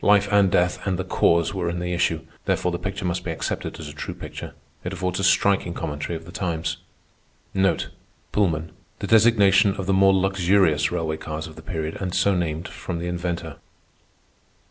Life and death and the Cause were in the issue; therefore the picture must be accepted as a true picture. It affords a striking commentary of the times. Pullman—the designation of the more luxurious railway cars of the period and so named from the inventor.